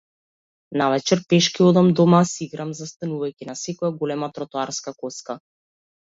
Навечер пешки одам дома, си играм застанувајќи на секоја голема тротоарска коцка.